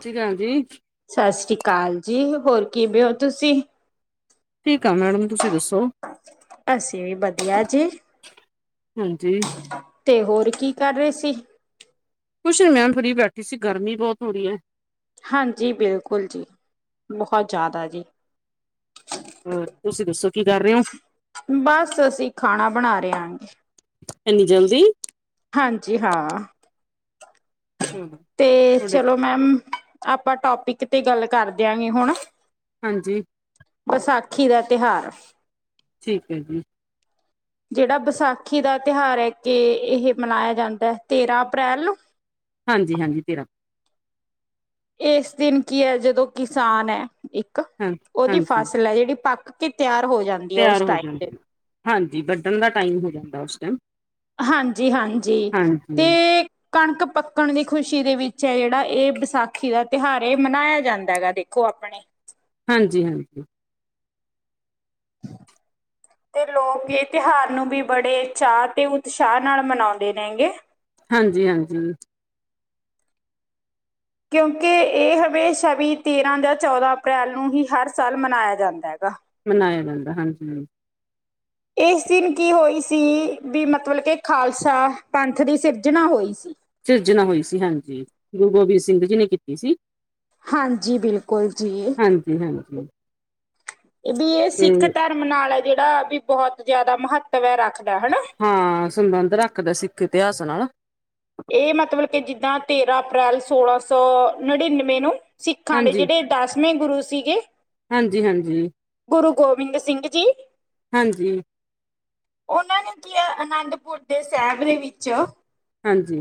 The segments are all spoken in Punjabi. ਸਤਿ ਸ਼੍ਰੀ ਅਕਾਲ ਜੀ। ਸਤਿ ਸ਼੍ਰੀ ਅਕਾਲ ਜੀ ਹੋਰ ਕਿਵੇ ਹੋ ਤੁਸੀਂ ਠੀਕ ਆ ਮੈਡਮ ਤੁਸੀਂ ਦੱਸੋ, ਅਸੀਂ ਵੀ ਵਧੀਆ ਜੀ ਹੂੰ ਤੇ ਹੋਰ ਕੀ ਕਰ ਰਹੇ ਸੀ? ਕੁਛ ਨੀ ਮੈਡਮ ਫਰੀ ਬੈਠੀ ਸੀ ਗਰਮੀ ਬਹੁਤ ਹੋ ਰਹੀ ਹੈ। ਹਾਂਜੀ ਬਿਲਕੁਲ ਜੀ, ਬਹੁਤ ਜ਼ਿਆਦਾ ਜੀ। ਹੋਰ ਤੁਸੀਂ ਦੱਸੋ ਕੀ ਕਰ ਰਹੇ ਹੋ? ਬਸ ਅਸੀ ਖਾਣਾ ਬਣਾ ਰਹੇ ਆਂ। ਏਨੀ ਜਲਦੀ। ਹਾਂਜੀ ਹਾਂ। ਚਲੋ ਤੇ ਤੁਹਾਡੇ ਚਲੋ ਮੈਮ ਆਪਾਂ ਟੋਪਿਕ ਤੇ ਗੱਲ ਕਰ ਦਿਆਂਗੇ ਹੁਣ। ਹਾਂਜੀ‌। ਵਿਸਾਖੀ ਦਾ ਤਿਹਾਰ। ਠੀਕ ਹੈ ਜੀ। [inaudible] ਜਿਹੜਾ ਵਿਸਾਖੀ ਦਾ ਤਿਉਹਾਰ ਹੈ ਕੇ ਇਹ ਮਨਾਇਆ ਜਾਂਦਾ ਹੈ ਤੇਰਾਂ ਅਪ੍ਰੈਲ ਨੂੰ। ਹਾਂਜੀ ਹਾਂਜੀ ਤੇਰਾਂ। ਇਸ ਦਿਨ ਕੀ ਹੈ ਜਦੋਂ ਕਿਸਾਨ ਹੈ ਇੱਕ ਹਾਂ ਓਹਦੀ ਹਾਂਜੀ ਫਸਲ ਹੈ ਜਿਹੜੀ ਪੱਕ ਕੇ ਤਿਆਰ ਹੋ ਜਾਂਦੀ ਹੈ ਉਸ ਤਿਆਰ ਹੋ ਟਾਈਮ ਦੇ ਜਾਂਦੀ, ਹਾਂਜੀ ਵੱਢਣ ਦਾ ਟਾਈਮ ਹੋ ਜਾਂਦਾ ਉਸ ਟਾਈਮ। ਹਾਂਜੀ-ਹਾਂਜੀ, ਹਾਂਜੀ ਤੇ ਕਣਕ ਪੱਕਣ ਦੀ ਖੁਸ਼ੀ ਦੇ ਵਿੱ ਚ ਹੈ ਜਿਹੜਾ ਇਹ ਵਿਸਾਖੀ ਦਾ ਤਿਉਹਾਰ ਏਹ ਮਨਾਇਆ ਜਾਂਦਾ ਹੈਗਾ ਦੇਖੋ ਆਪਣੇ ਹਾਂਜੀ-ਹਾਂਜੀ। [unintelligible] ਤੇ ਲੋਕ ਇਹ ਤਿਉਹਾਰ ਨੂੰ ਵੀ ਬੜੇ ਚਾਅ ਤੇ ਉਤਸ਼ਾਹ ਨਾਲ ਮਨਾਉਂਦੇ ਨੇ ਗੇ। ਹਾਂਜੀ-ਹਾਂਜੀ। ਕਿਉਂਕਿ ਇਹ ਹਮੇਸ਼ਾ ਵੀ ਤੇਰਾਂ ਜਾਂ ਚੌਦਾਂ ਅਪ੍ਰੈਲ ਨੂੰ ਹੀ ਹਰ ਸਾਲ ਮਨਾਇਆ ਜਾਂਦਾ ਹੈਗਾ। ਮਨਾਇਆ ਜਾਂਦਾ, ਹਾਂਜੀ ਹਾਂ। [inaudible] ਇਸ ਦਿਨ ਕੀ ਹੋਈ ਸੀ ਵੀ ਮਤਲਬ ਕੇ ਖਾਲਸਾ ਪੰਥ ਦੀ ਸਿਰਜਣਾ ਹੋਈ ਸੀ। ਸਿਰਜਣਾ ਹੋਈ ਸੀ, ਹਾਂਜੀ, ਗੁਰੂ ਗੋਬਿੰਦ ਸਿੰਘ ਜੀ ਨੇ ਕੀਤੀ ਸੀ। ਹਾਂਜੀ ਬਿਲਕੁਲ ਜੀ ਹਾਂਜੀ ਹਾਂਜੀ। ਵੀ ਇਹ ਤੇ ਸਿੱਖ ਧਰਮ ਨਾਲ ਹੈ ਜਿਹੜਾ ਵੀ ਬਹੁਤ ਜਿਆਦਾ ਮਹੱਤਵ ਹੈ ਰੱਖਦਾ ਹ ਹਾਂ ਸੰਬੰਧ ਰੱਖਦਾ ਸਿੱਖ ਇਤਿਹਾਸ ਨਾਲ। ਇਹ ਮਤਲਬ ਕਿ ਜਿੱਦਾਂ ਤੇਰਾਂ ਅਪ੍ਰੈਲ ਸੋਲਾਂ ਸੌ ਨੜ੍ਹਿਨਵੇਂ ਨੂੰ। ਸਿੱਖਾਂ ਦੇ ਹਾਂਜੀ ਜਿਹੜੇ ਦਸਵੇਂ ਗੁਰੂ ਸੀਗੇ, ਹਾਂਜੀ ਹਾਂਜੀ ਗੁਰੂ ਗੋਬਿੰਦ ਸਿੰਘ ਜੀ। ਹਾਂਜੀ। ਉਹਨਾਂ ਨੇ ਕੀ ਹੈ ਅਨੰਦਪੁਰ ਦੇ ਸਾਹਿਬ ਦੇ ਵਿੱਚ ਹਾਂਜੀ।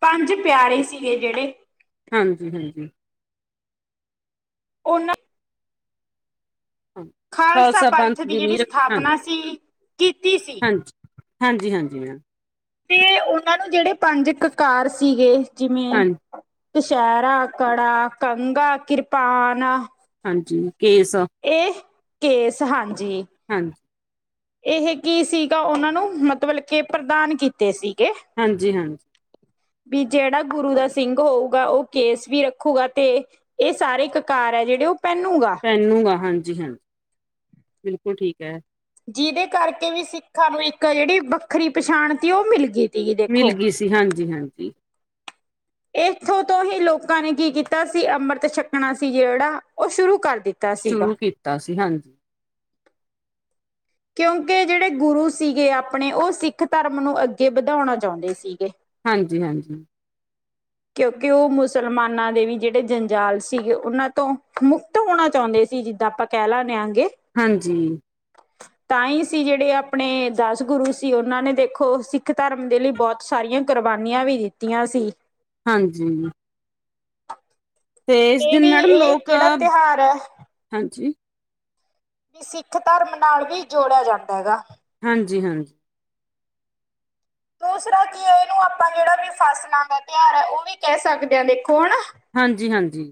ਪੰਜ ਪਿਆਰੇ ਸੀਗੇ ਜਿਹੜੇ ਹਾਂਜੀ-ਹਾਂਜੀ। ਓਹਨਾਂ ਖਾਲਸਾ ਪੰਥ ਦੀ ਜੇਹੜੀ ਸਥਾਪਨਾ ਸੀ। ਕੀਤੀ ਸੀ ਹਾਂਜੀ-ਹਾਂਜੀ-ਹਾਂਜੀ ਮੈਮ। ਤੇ ਓਨਾਂ ਨੂੰ ਜੇਹੜੇ ਪੰਜ ਕਕਾਰ ਸੀਗੇ ਜਿਵੇਂ ਹਾਂਜੀ ਕਸ਼ਹਿਰਾ, ਕੜਾ, ਕੰਘਾ, ਕਿਰਪਾਨ। ਜੀ ਕੇਸ। ਇਹ ਕੇਸ ਹਾਂਜੀ। ਹਾਂਜੀ ਇਹ ਕੀ ਸੀਗਾ, ਓਹਨਾਂ ਨੂੰ ਮਤਲਬ ਕਿ ਪ੍ਰਦਾਨ ਕੀਤੇ ਸੀ। ਹਾਂਜੀ-ਹਾਂਜੀ। ਵੀ ਜਿਹੜਾ ਗੁਰੂ ਦਾ ਸਿੰਘ ਹੋਊਗਾ, ਉਹ ਕੇਸ ਵੀ ਰੱਖੂਗਾ ਤੇ ਏਹ ਸਾਰੇ ਕਕਾਰ ਹੈ ਜਿਹੜੇ ਓ ਪੈਨੂੰਗਾ ਹਾਂਜੀ-ਹਾਂਜੀ ਬਿਲਕੁਲ ਠੀਕ ਐ। ਜਿਹਦੇ ਕਰਕੇ ਵੀ ਸਿੱਖਾਂ ਨੂੰ ਇੱਕ ਜਿਹੜੀ ਵੱਖਰੀ ਪਛਾਣਤੀ ਓਹ ਮਿਲ ਗਈ। ਤੀ ਮਿਲ ਦੇਖੋ। ਗਈ ਸੀ, ਹਾਂਜੀ-ਹਾਂਜੀ। ਇੱਥੋਂ ਤੋਂ ਹੀ ਲੋਕਾਂ ਨੇ ਕੀ ਕੀਤਾ ਸੀ, ਅੰਮ੍ਰਿਤ ਛਕਣਾ ਸੀ ਜੇਹੜਾ ਓਹ ਸ਼ੁਰੂ ਕਰ ਦਿ ਸ਼ੁਰੂ ਕੀਤਾ ਸੀ, ਹਾਂਜੀ। ਕਿਉਂਕਿ ਜਿਹੜੇ ਗੁਰੂ ਸੀਗੇ ਆਪਣੇ ਉਹ ਸਿੱਖ ਧਰਮ ਨੂੰ ਅੱਗੇ ਵਧਾਉਣਾ ਚਾਹੁੰਦੇ ਸੀਗੇ। ਹਾਂਜੀ-ਹਾਂਜੀ। ਕਿਉਂਕਿ ਉਹ ਮੁਸਲਮਾਨਾਂ ਦੇ ਵੀ ਜਿਹੜੇ ਜੰਜਾਲ ਸੀਗੇ, ਉਹਨਾਂ ਤੋਂ ਮੁਕਤ ਹੋਣਾ ਚਾਹੁੰਦੇ ਸੀ। ਜੀ ਜਿੱਦਾਂ ਆਪਾਂ ਕਹਿ ਲੈਣੇ ਆਗੇ। ਹਾਂਜੀ। ਤਾਂ ਹੀ ਸੀ ਜਿਹੜੇ ਆਪਣੇ ਦਸ ਗੁਰੂ ਸੀ- ਉਹਨਾਂ ਨੇ ਦੇਖੋ ਸਿੱਖ ਧਰਮ ਦੇ ਲਈ ਬਹੁਤ ਸਾਰੀਆਂ। ਕੁਰਬਾਨੀਆਂ ਵੀ ਦਿੱਤੀਆਂ ਸੀ। ਹਾਂਜੀ। ਤੇ ਇਸ ਇਹ ਦਿਨ ਵੀ ਮੈਡਮ ਇਹ ਲੋਕ ਜਿਹੜਾ ਤਿਉਹਾਰ ਹੈ ਵੀ ਹਾਂਜੀ। ਸਿੱਖ ਧਰਮ ਨਾਲ ਵੀ ਜੋੜਿਆ ਜਾਂਦਾ ਗਾ। ਹਾਂਜੀ-ਹਾਂਜੀ। ਦੂਸਰਾ ਕੀ ਹੈ, ਇਹਨੂੰ ਆਪਾਂ ਜਿਹੜਾ ਵੀ ਫਸਲਾਂ ਦਾ ਤਿਉਹਾਰ ਹੈ, ਉਹ ਵੀ ਕਹਿ ਸਕਦੇ ਹਾਂ ਦੇਖੋ ਹਨਾ। ਹਾਂਜੀ-ਹਾਂਜੀ।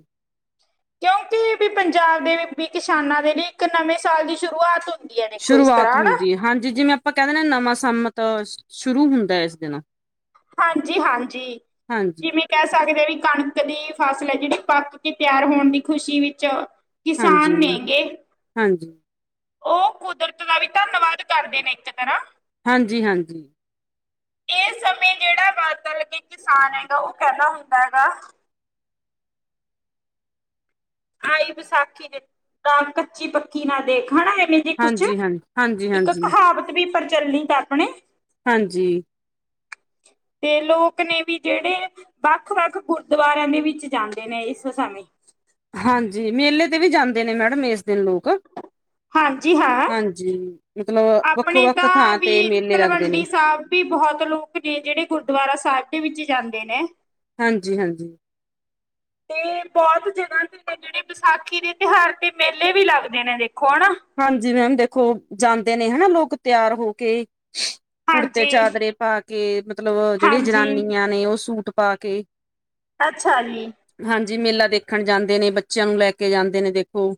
ਕਿਉਂਕਿ ਵੀ ਪੰਜਾਬ ਦੇ ਵੀ ਕਿਸਾਨਾਂ ਦੇ ਲਈ ਇੱਕ ਨਵੇਂ ਸਾਲ ਦੀ ਸ਼ੁਰੂਆਤ। ਹੁੰਦੀ ਹੈ ਦੇਖੋ ਇਸ ਸ਼ੁਰੂਆਤ ਤਰ੍ਹਾਂ ਹਨਾ ਹੁੰਦੀ ਹੈ, ਹਾਂਜੀ ਜਿਵੇਂ ਆਪਾਂ ਕਹਿ ਦਿੰਨੇ ਨਵਾਂ ਸੰਮਤ ਸ਼ੁਰੂ ਹੁੰਦਾ ਇਸ ਦਿਨ। ਹਾਂਜੀ-ਹਾਂਜੀ, ਹਾਂਜੀ ਜਿਵੇਂ ਕਹਿ ਸਕਦੇ ਵੀ। ਕਣਕ ਦੀ ਫਸਲ ਹੈ, ਜਿਹੜੀ ਪੱਕ ਕੇ ਤਿਆਰ ਹੋਣ ਦੀ ਖ਼ੁਸ਼ੀ ਵਿੱਚ। ਹਾਂਜੀ, ਕਿਸਾਨ ਨੇ ਹਾਂਜੀ, ਗੇ। ਹਾਂਜੀ, ਉਹ ਕੁਦਰਤ ਦਾ ਵੀ ਧੰਨਵਾਦ ਕਰਦੇ ਨੇ ਇੱਕ ਤਰ੍ਹਾਂ। ਹਾਂਜੀ-ਹਾਂਜੀ। ਇਸ ਸਮੇਂ ਜਿਹੜਾ ਬਾਦਲ ਕੇ ਕਿਸਾਨ ਹੈਗਾ, ਉਹ ਕਹਿੰਦਾ ਹੁੰਦਾ ਗਾ। ਆਈ ਵਿਸਾਖੀ ਤੇ ਕੱਚੀ ਪੱਕੀ ਨਾ ਦੇਖ। ਹਨਾ ਇਹੇ ਜੇ ਕੁਛ ਹਾਂਜੀ, ਹਾਂ, ਹਾਂਜੀ, ਇੱਕ ਹਾਂਜੀ, ਕਹਾਵਤ ਵੀ ਪ੍ਰਚੱਲਤ ਹੈ, ਆਪਣੇ। ਹਾਂਜੀ। ਤੇ ਲੋਕ ਨੇ ਵੀ ਜਿਹੜੇ ਵੱਖ ਵੱਖ ਗੁਰਦੁਆਰਿਆਂ ਦੇ ਵਿੱਚ ਜਾਂਦੇ ਨੇ ਇਸ ਸਮੇਂ। ਹਾਂਜੀ ਮੇਲੇ ਤੇ ਵੀ ਜਾਂਦੇ ਨੇ ਮੈਡਮ ਇਸ ਦਿਨ ਲੋਕ। ਹਾਂਜੀ ਹਾਂ। ਹਾਂਜੀ ਮਤਲਬ ਵੱਖੋ ਆਪਣੇ ਵੱਖ ਤਾਂ ਥਾਂ ਤੇ ਵੀ ਮੇਲੇ ਲੱਗਦੇ ਤਲਵੰਡੀ ਨੇ ਸਾਹਿਬ ਵੀ ਬਹੁਤ ਲੋਕ ਨੇ ਜਿਹੜੇ ਗੁਰਦੁਆਰਾ ਸਾਹਿਬ। ਦੇ ਵਿੱਚ ਜਾਂਦੇ ਨੇ ਹਾਂਜੀ, ਹਾਂਜੀ। ਤੇ ਬਹੁਤ। ਤਾ ਹੀ ਨੇ ਜਿਹੜੇ ਵਿਸਾਖੀ ਦੇ ਤਿਉਹਾਰ ਤੇ ਮੇਲੇ ਵੀ ਲੱਗਦੇ ਨੇ ਦੇਖੋ ਹਨਾ? ਹਾਂਜੀ ਮੈਮ ਦੇਖੋ ਜਾਂਦੇ ਨੇ ਹਨਾ, ਲੋਕ ਤਿਆਰ ਹੋ ਕੇ। ਕੁੜਤੇ ਹਾਂਜੀ ਚਾਦਰੇ ਪਾ ਕੇ ਮਤਲਬ ਜਿਹੜੇ ਹਾਂਜੀ ਜਨਾਨੀਆਂ ਨੇ ਉਹ ਸੂਟ ਪਾ ਕੇ। ਅੱਛਾ ਜੀ। ਜੀ ਮੇਲਾ ਦੇਖਣ ਜਾਂਦੇ ਨੇ ਬੱਚਿਆਂ ਨੂੰ ਲੈ ਕੇ ਜਾਂਦੇ ਨੇ ਦੇਖੋ।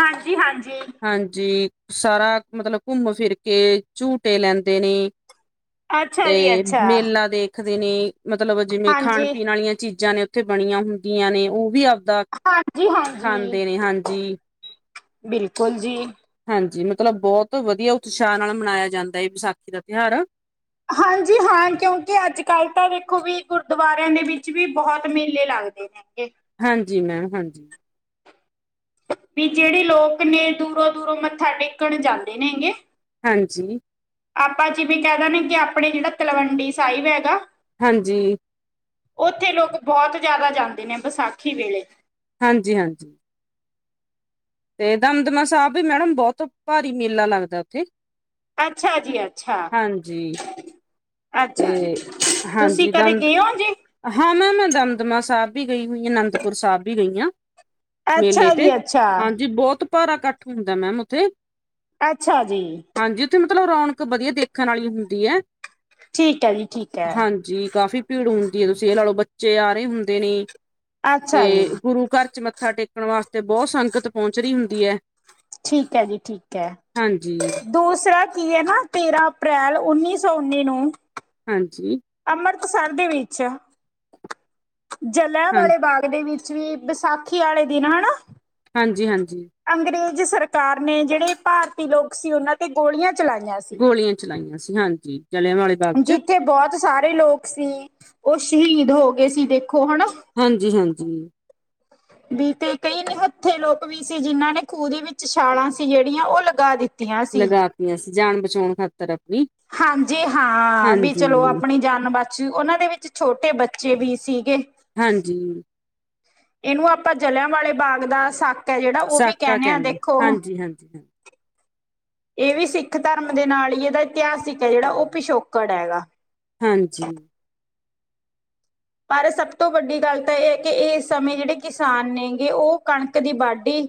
ਹਾਂਜੀ-ਹਾਂਜੀ। ਹਾਂਜੀ, ਸਾਰਾ ਮਤਲਬ ਘੁੰਮ ਫਿਰ ਕੇ ਝੂਟੇ ਲੈਂਦੇ ਨੇ। ਅੱਛਾ ਜੀ ਤੇ ਅੱਛਾ ਮੇਲਾ ਦੇਖਦੇ ਨੇ, ਮਤਲਬ ਜਿਵੇਂ ਖਾਣ ਹਾਂਜੀ ਪੀਣ ਵਾਲੀਆਂ ਚੀਜ਼ਾਂ ਨੇ। ਉੱਥੇ ਬਣੀਆਂ ਹੁੰਦੀਆਂ, ਨੇ ਉਹ ਵੀ ਆਪਦਾ ਹਾਂਜੀ ਹਾਂਜੀ ਖਾਂਦੇ ਨੇ ਹਾਂਜੀ। ਬਿਲਕੁਲ ਜੀ। ਹਾਂਜੀ, ਮਤਲਬ ਬਹੁਤ ਵਧੀਆ ਉਤਸ਼ਾਹ ਨਾਲ ਮਨਾਇਆ ਜਾਂਦਾ ਹੈ, ਵਿਸਾਖੀ ਦਾ ਤਿਉਹਾਰ। ਹਾਂਜੀ ਹਾਂ, ਕਿਉਂਕਿ ਅੱਜ ਕੱਲ ਤਾਂ ਦੇਖੋ ਵੀ ਗੁਰਦੁਆਰਿਆਂ ਦੇ ਵਿੱਚ ਵੀ ਬਹੁਤ ਮੇਲੇ ਲੱਗਦੇ। ਲੱਗੇ ਨੇ। ਹਾਂਜੀ, ਮੈਂਮ ਹਾਂਜੀ। ਵੀ ਜਿਹੜੇ ਲੋਕ ਨੇ ਦੂਰੋਂ-ਦੂਰੋਂ ਮੱਥਾ ਟੇਕਣ ਜਾਂਦੇ ਨੇ ਗੇ। ਹਾਂਜੀ। ਆਪਾਂ ਜਿਵੇਂ ਕਹਿ ਦੇ ਨੇ ਕਿ ਆਪਣੇ ਜਿਹੜਾ ਤਲਵੰਡੀ ਸਾਹਿਬ ਹੈਗਾ। ਹਾਂਜੀ। ਉੱਥੇ ਲੋਕ ਬਹੁਤ ਜ਼ਿਆਦਾ ਜਾਂਦੇ ਨੇ ਵਿਸਾਖੀ ਵੇਲੇ। ਹਾਂਜੀ-ਹਾਂਜੀ। ਤੇ ਦਮਦਮਾ ਸਾਹਿਬ ਵੀ ਮੈਡਮ ਬਹੁਤ ਭਾਰੀ ਮੇਲਾ ਲੱਗਦਾ, ਉੱਥੇ। ਅੱਛਾ ਜੀ ਅੱਛਾ, ਹਾਂਜੀ ਅੱਛਾ ਤੇ ਤੁਸੀਂ ਹਾਂਜੀ ਕਦੇ ਦਮ ਗਏ ਹੋ ਜੀ ਹਾਂ ਮੈ ਮੈਂ ਦਮਦਮਾ ਸਾਹਿਬ ਵੀ ਗਈ ਹੋਈ, ਅਨੰਦਪੁਰ ਸਾਹਿਬ ਵੀ ਗਈ ਹਾਂ। ਮੇਲੇ ਅੱਛਾ ਤੇ ਜੀ ਅੱਛਾ ਹਾਂਜੀ ਬਹੁਤ ਭਾਰਾ ਇਕੱਠ ਹੁੰਦਾ ਮੈਮ ਉੱਥੇ ਅੱਛਾ ਜੀ, ਹਾਂਜੀ ਉੱਥੇ ਮਤਲਬ ਰੌਣਕ ਵਧੀਆ ਦੇਖਣ ਵਾਲੀ ਹੁੰਦੀ ਹੈ। ਠੀਕ ਹੈ ਜੀ ਠੀਕ ਹੈ ਹਾਂਜੀ, ਕਾਫੀ ਭੀੜ ਹੁੰ ਜੀ ਤੁਸੀਂ ਇਹ ਲਾ ਲਓ, ਬੱਚੇ ਆ ਰਹੇ ਹੁੰਦੇ ਨੇ ਅੱਛਾ ਜੀ ਤੇ ਗੁਰੂ ਘਰ ਚ ਮ ਮੱਥਾ ਟੇਕਣ ਵਾਸਤੇ ਬਹੁਤ ਸੰਗਤ ਪਹੁੰਚ ਰਹੀ ਹੁੰਦੀ ਹੈ। ਠੀਕ ਹੈ ਜੀ ਠੀਕ ਹੈ, ਹਾਂਜੀ ਦੂਸਰਾ ਕੀ ਹੈ ਨਾ ਤੇਰਾਂ ਅਪ੍ਰੈਲ ਉੱਨੀ ਸ ਸੋ ਉੱਨੀੇ ਨੂੰ, ਹਾਂਜੀ, ਬਸੰਤ ਵਿੱਚ ਆ। ਜਲਿਆਂ ਹਾਂ ਵਾਲੇ ਬਾਗ ਦੇ ਵਿੱਚ ਵੀ ਵਿਸਾਖੀ ਵਾਲੇ ਦਿਨ ਹਨਾ। ਹਾਂਜੀ ਹਾਂਜੀ ਅੰਗਰੇਜ਼ ਸਰਕਾਰ ਨੇ ਜਿਹੜੇ ਭਾਰਤੀ ਲੋਕ ਸੀ, ਉਹਨਾਂ ਤੇ ਗੋਲੀਆਂ। ਚਲਾਈਆਂ ਸੀ, ਗੋਲੀਆਂ ਚਲਾਈਆਂ ਸੀ ਹਾਂਜੀ ਜਲਿਆਂ ਵਾਲੇ ਬਾਗ ਚ ਜਿੱਥੇ ਬਹੁਤ ਸਾਰੇ ਲੋਕ ਸੀ। ਉਹ ਸ਼ਹੀਦ ਹੋ ਗਏ ਸੀ ਤੇ, ਹਾਂਜੀ-ਹਾਂਜੀ, ਵੀ ਤੇ ਕਈ ਨਿਹੱਥੇ ਲੋਕ ਵੀ ਸੀ, ਜਿਨਾਂ ਨੇ ਖੂਹ ਦੇ ਵਿੱਚ ਛਾਲਾਂ ਸੀ ਜਿਹੜੀਆਂ ਉਹ ਲਗਾ ਦਿੱਤੀ। ਲਗਾਤੀਆਂ ਸੀ ਜਾਣ ਬਚਾਣ ਖਾਤਰ, ਆਪਣੀ ਹਾਂਜੀ ਹਾਂ, ਵੀ ਹਾਂਜੀ ਚਲੋ ਆਪਣੀ ਜਾਨ ਬਚ ਜੂ ਉਹਨਾਂ ਦੇ ਵਿੱਚ ਛੋਟੇ ਬੱਚੇ, ਬੱਚੇ ਵੀ ਸੀਗੇ। ਹਾਂਜੀ, ਇਹਨੂੰ ਆਪਾਂ ਜਲ੍ਹਿਆਂ ਵਾਲੇ ਬਾਗ ਦਾ ਸਾ ਜਿਹੜਾ ਉਹ ਵੀ ਸਾਕਾ ਕਹਿੰਨੇ ਆ ਕਹਿੰਦੇ ਦੇਖੋ। ਹਾਂਜੀ ਹਾਂਜੀ ਹਾਂ ਇਹ ਵੀ ਸਿੱਖ ਧਰਮ ਦੇ ਨਾਲ ਹੀ ਇਹਦਾ ਇਤਿਹਾਸਿਕ ਹੈ, ਜਿਹੜਾ ਉਹ ਪਿਛੋਕੜ ਹੈਗਾ। ਹਾਂਜੀ, ਪਰ ਸਭ ਤੋਂ ਵੱਡੀ ਗੱਲ ਤਾਂ ਇਹ ਹੈ, ਕਿ ਇਸ ਸਮੇਂ ਜਿਹੜੇ ਕਿਸਾਨ ਨੇਗੇ ਉਹ ਕਣਕ ਦੀ ਵਾਢੀ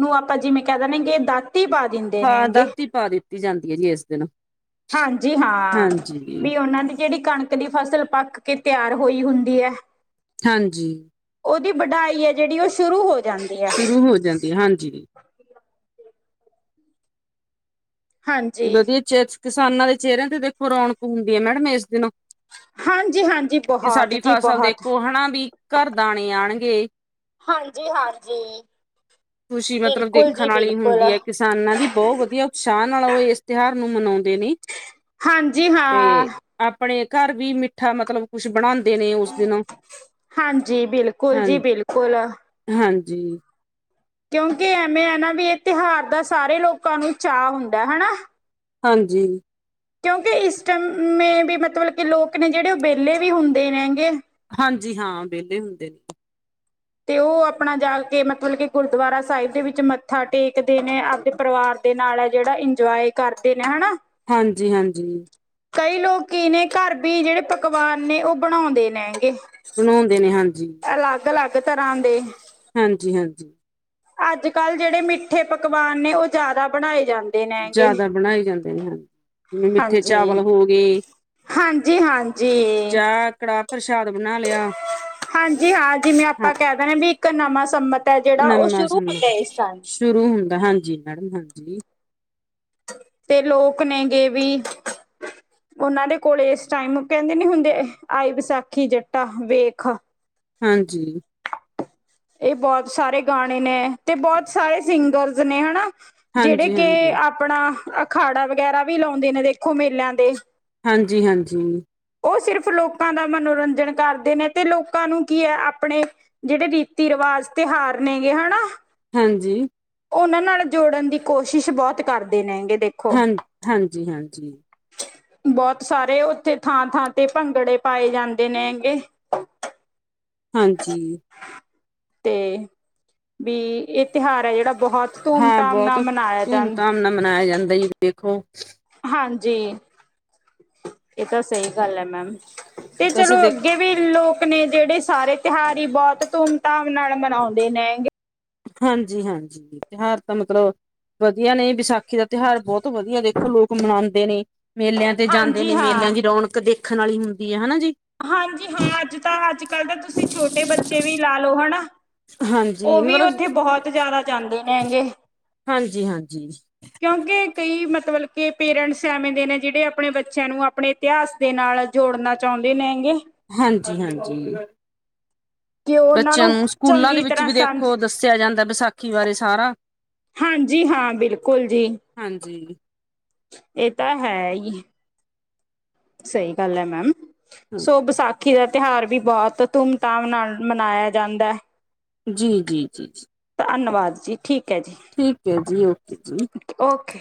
ਨੂੰ ਆਪਾਂ ਜਿਵੇਂ ਕਹਿ ਦਿੰਨੇ ਕਿ ਦਾ, ਹਾਂ ਦਾਤੀ ਪਾ ਦਿੱਤੀ ਜਾਂਦੀ ਹੈ, ਜੀ ਇਸ ਦਿਨ ਹਾਂਜੀ, ਹਾਂ ਹਾਂਜੀ ਵੀ ਉਹਨਾਂ ਦੀ ਜਿਹੜੀ ਕਣਕ ਦੀ ਫਸਲ ਪੱਕ ਕੇ ਤਿਆਰ ਹੋਈ ਹੁੰਦੀ ਹੈ। ਹਾਂਜੀ, ਉਹਦੀ ਵਢਾਈ ਹੈ ।ਜਿਹੜੀ ਉਹ ਸ਼ੁਰੂ ਹੋ ਜਾਂਦੀ ਹੈ ਸ਼ੁਰੂ ਹੋ ਜਾਂਦੀ ।ਹਾਂਜੀ। ਹਾਂਜੀ ਵਧੀਆ ਚ ਕਿਸਾਨਾਂ ਦੇ ਚਿਹਰਿਆਂ ਤੇ ਦੇਖੋ ਰੌਣਕ ਹੁੰਦੀ ਹੈ। ਮੈਡਮ ਇਸ ਦਿਨ ਹਾਂਜੀ ਹਾਂਜੀ ਵੀ ਬਹੁਤ ਸਾਡੀ ਜੀ ਫਸਲ ਬਹੁਤ ਦੇਖੋ ਹਨਾ ਵੀ ਘਰ ਦਾਣੇ ਆਉਣ ਹਾਂਜੀ- ਹਾਂਜੀ ਖ਼ੁਸ਼ੀ ਮਤਲਬ ਬਿਲਕੁਲ ਜੀ ਦੇਖਣ ਵਾਲੀ ਬਿਲਕੁਲ ਹੁੰਦੀ ਹੈ। ਕਿਸਾਨਾਂ ਦੀ ਬਹੁ ਵਧੀਆ ਉਤਸ਼ਾਹ ਨਾਲ ਉਹ ਇਸ ਤਿਉਹਾਰ ਨੂੰ ਮਨਾਉਂਦੇ ਨੇ। ਹਾਂਜੀ ਤੇ ਹਾਂ ਆਪਣੇ ਘਰ ਵੀ ਮਿੱਠਾ ਮਤਲਬ ਕੁੱਛ ਬਣਾਉਂ ਦੇ ਨੇ ਉਸ ਦਿਨ। ਹਾਂਜੀ ਬਿਲਕੁਲ ਹਾਂ, ਜੀ ਬਿਲਕੁਲ ਹਾਂਜੀ। ਕਿਉਂਕਿ ਐਵੇਂ ਹੈ ਨਾ ਵੀ ਇਹ ਤਿਉਹਾਰ ਦਾ ਸਾਰੇ ਲੋਕਾਂ ਨੂੰ ਚਾਅ ਹੁੰਦਾ ਹਨਾ। ਹਾਂਜੀ। ਕਿਉਂਕਿ ਇਸ ਟਾਈਮੇ ਵੀ ਮਤਲਬ ਕਿ ਲੋਕ ਨੇ ਜਿਹੜੇ ਉਹ ਵਿਹਲੇ ਵੀ ਹੁੰਦੇ ਨੇ ਹੈਗੇ। ਹਾਂਜੀ। ਹਾਂ, ਵਿਹਲੇ ਹੁੰਦੇ ਨੇ। ਤੇ ਉਹ ਆਪਣਾ ਜਾ ਕੇ ਮਤਲਬ ਕਿ ਗੁਰਦੁਆਰਾ ਸਾਹਿਬ ਦੇ ਵਿੱਚ ਮੱਥਾ ਟੇਕਦੇ ਨੇ ਆਪਦੇ ਪਰਿਵਾਰ ਦੇ ਨਾਲ ਹੈ। ਜਿਹੜਾ ਇੰਜੋਏ ਕਰਦੇ ਨੇ ਹਨਾ। ਹਾਂਜੀ- ਹਾਂਜੀ ਕਈ ਲੋਕ ਕੀ ਨੇ ਘਰ ਵੀ ਜਿਹੜੇ ਪਕਵਾਨ ਨੇ ਉਹ ਬਣਾਉਂਦੇ ਨੇ ਹੈਗੇ। ਬਣਾਉਂਦੇ ਨੇ। ਹਾਂਜੀ। ਤਰ੍ਹਾਂ ਦੇ ਹਾਂਜੀ-ਹਾਂਜੀ। ਅੱਜ-ਕੱਲ ਜਿਹੜੇ ਮਿੱਠੇ ਪਕਵਾਨ ਨੇ ਉਹ ਜ਼ਿਆਦਾ ਬਣਾਏ ਜਾਂ ਜ਼ਿਆਦਾ ਬਣਾਏ ਜਾਂਦੇ ਹਨ। ਜਿਵੇਂ ਮਿੱਠੇ ਚਾਵਲ ਹਾਂਜੀ। ਹੋ ਗਏ ਹਾਂਜੀ-ਹਾਂਜੀ ਜਾਂ ਕੜਾ ਪ੍ਰਸ਼ਾਦ ਬਣਾ ਲਿਆ। ਹਾਂਜੀ। ਹਾਂ, ਜਿਵੇਂ ਹਾਂ ਆਪਾਂ ਕਹਿ ਦੇਣੇ ਹਾ ਵੀ ਇੱਕ ਨਵਾਂ ਸੰਮਤ ਜਿਹੜਾ ਉਹ ਨਮਾ ਸ਼ੁਰੂ ਸਮਾਂ ਹੁੰਦਾ ਇਸ ਟਾਈਮ। ਸ਼ੁਰੂ ਹੁੰਦਾ ਹਾਂਜੀ। ਮੈਡਮ, ਹਾਂਜੀ। ਤੇ ਲੋਕ ਨੇਗੇ ਵੀ ਉਹਨਾਂ ਦੇ ਕੋਲ ਇਸ ਟਾਈਮ ਕਹਿੰਦੇ ਨੀ ਹੁੰਦੇ। ਆਈ ਵਿਸਾਖੀ ਜੱਟਾ ਵੇਖ ਹਾਂਜੀ। ਇਹ ਬਹੁਤ ਸਾਰੇ ਗਾਣੇ ਨੇ, ਤੇ ਬਹੁਤ ਸਾਰੇ ਸਿੰਗਰਸ ਨੇ ਹਨਾ। ਜਿਹੜੇ ਹਾਂਜੀ ਕਿ ਹਾਂਜੀ ਆਪਣਾ ਅਖਾੜਾ ਵਗੈਰਾ ਵੀ ਲਾਉਂਦੇ ਨੇ ਦੇਖੋ ਮੇਲਿਆਂ ਦੇ ਹਾਂਜੀ-ਹਾਂਜੀ। ਉਹ ਸਿਰਫ ਲੋਕਾਂ ਦਾ ਮਨੋਰੰਜਨ ਕਰਦੇ ਨੇ ਤੇ ਲੋਕਾਂ ਨੂੰ ਕੀ ਹੈ। ਆਪਣੇ ਜਿਹੜੇ ਰੀ ਤੀ-ਰਿਵਾਜ਼, ਤਿਉਹਾਰ ਨੇ ਗੇ ਹਨਾ। ਹਾਂਜੀ। ਉਹਨਾਂ ਨਾਲ ਜੋੜਨ ਦੀ ਕੋਸ਼ਿਸ਼ ਬਹੁਤ ਕਰਦੇ ਨੇਗੇ। ਦੇਖੋ ਹਾਂ, ਹਾਂਜੀ-ਹਾਂਜੀ। ਬਹੁਤ ਸਾਰੇ ਉੱਥੇ ਥਾਂ-ਥਾਂ ਤੇ ਭੰਗੜੇ ਪਾਏ ਜਾਂਦੇ ਹੈ ਗਏ। ਹਾਂਜੀ। ਤੇ, ਵੀ ਇਹ ਤਿਉਹਾਰ ਹੈ। ਜਿਹੜਾ ਬਹੁਤ ਹਾਂ। ਧੂਮ-ਧਾਮ ਬਹੁਤ ਨਾਲ ਮਨਾਇਆ ਧੂਮ-ਧਾਮ ਜਾਂਦਾ ਨਾਲ ਮਨਾਇਆ ਜਾਂਦਾ ਏ ਦੇਖੋ ਹਾਂਜੀ। ਇਹ ਤਾਂ ਸਹੀ ਗੱਲ ਹੈ। ਮੈਮ, ਤੇ ਚਲੋ ਵੈਸੇ ਦੇਖ ਅੱਗੇ ਵੀ ਲੋਕ ਨੇ ਜਿਹੜੇ ਸਾਰੇ ਤਿਉਹਾਰ ਹੀ ਬਹੁਤ ਧੂਮ-ਧਾਮ ਨਾਲ ਮਨਾਉਂਦੇ ਨੇ । ਹਾਂਜੀ-ਹਾਂਜੀ, ਤਿਉਹਾਰ ਤਾਂ ਮਤਲਬ ਵਧੀਆ ਨੇ, ਵਿਸਾਖੀ ਦਾ ਤਿਉਹਾਰ ਬਹੁਤ ਵਧੀਆ ਦੇਖ ਲੋਕ ਮਨਾਉਂਦੇ ਨੇ, ਮੇਲਿਆਂ ਤੇ ਜਾਂਦੇ ਹਾਂਜੀ ਨੇ ਹਾਂ ਮੇਲਿਆਂ ਦੀ ਰੌਣਕ ਦੇਖਣ ਵਾਲੀ ਹੁੰਦੀ ਹੈ। ਹਨਾ ਜੀ। ਹਾਂਜੀ-ਹਾਂ, ਅੱਜ ਤਾਂ ਅੱਜ-ਕੱਲ੍ਹ ਤਾਂ ਤੁਸੀਂ ਛੋਟੇ ਬੱਚੇ ਵੀ ਲਾ ਲਓ ਹਨਾ। ਉਹ ਹਾਂਜੀ ਵੀ ਮਤਲਬ ਉੱਥੇ ਬਹੁਤ ਜਿਆਦਾ ਜਾਂਦੇ ਨੇ ਗੇੇਂ। ਹਾਂਜੀ ਹਾਂਜੀ ਕਿਉਂਕਿ ਕਈ ਮਤਲਬ ਕੇ ਪੇਰੈਂਟਸ ਐਵੇਂ ਦੇ ਨੇ ਜਿਹੜੇ ਆਪਣੇ ਬੱਚਿਆਂ ਨੂੰ ਆਪਣੇ ਇਤਿਹਾਸ ਦੇ ਨਾਲ ਨਾਲ ਜੋੜਨਾ ਚਾਹੁੰਦੇ ਨੇਂ ਗੇ। ਹਾਂਜੀ-ਹਾਂਜੀ। ਕਿ ਉਹ ਉਹਨਾਂ ਬੱਚਿਆਂ ਨੂੰ ਸਕੂਲਾਂ ਦੇ ਚੰਗੀ ਵਿੱਚ ਤਰ੍ਹਾਂ ਵੀ ਸਮਝ ਦੇਖੋ ਦੱਸਿਆ, ਜਾਂਦਾ ਵਿਸਾਖੀ ਬਾਰੇ ਸਾਰਾ। ਹਾਂਜੀ-ਹਾਂ ਬਿਲਕੁਲ ਜੀ। ਹਾਂਜੀ ਇਹ ਤਾਂ ਹੈ ਹੀ। ਸਹੀ ਗੱਲ ਹੈ, ਮੈਮ ਸੋ ਵਿਸਾਖ ਖੀ ਦਾ ਤਿਉਹਾਰ ਵੀ ਬਹੁਤ ਧੂਮ-ਧਾਮ ਨਾਲ ਮਨਾਇਆ ਜਾਂਦਾ ਹੈ। ਜੀ-ਜੀ, ਜੀ-ਜੀ। ਧੰਨਵਾਦ ਜੀ ਠੀਕ ਹੈ ਜੀ, ਠੀਕ ਹੈ ਜੀ ਓਕੇ ਜੀ ਓਕੇ।